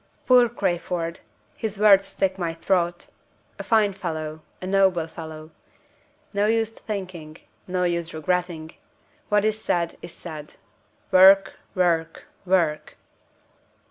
Poor Crayford! his words stick in my throat. A fine fellow! a noble fellow! No use thinking, no use regretting; what is said, is said. Work! work! work!"